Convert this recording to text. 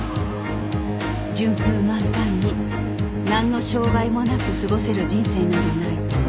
順風満帆になんの障害もなく過ごせる人生などない